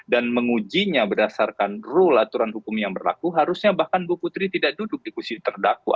dan mengujinya berdasarkan rule aturan hukum yang berlaku harusnya bahkan bu putri tidak duduk di kusir terdakwa